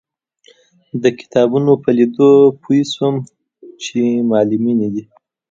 د کتابونو په لیدو پوی شوم چې معلمینې دي.